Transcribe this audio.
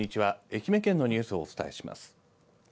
愛媛県のニュースをお伝えします。